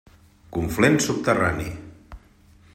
Conflent Subterrani.